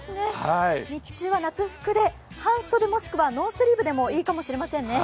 日中は夏服で、半袖もしくはノースリーブでもいいかもしれませんね。